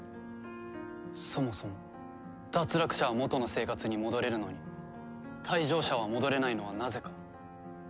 そもそも脱落者は元の生活に戻れるのに退場者は戻れないのはなぜか。